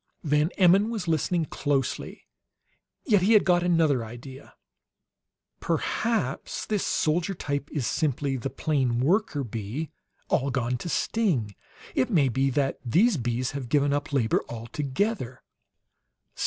Van Emmon was listening closely, yet he had got another idea: "Perhaps this soldier type is simply the plain worker bee, all gone to sting! It may be that these bees have given up labor altogether!"